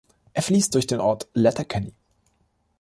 Er fließt durch den Ort Letterkenny.